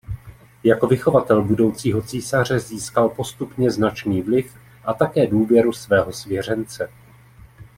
Jako vychovatel budoucího císaře získal postupně značný vliv a také důvěru svého svěřence.